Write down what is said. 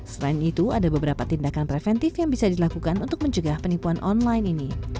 selain itu ada beberapa tindakan preventif yang bisa dilakukan untuk mencegah penipuan online ini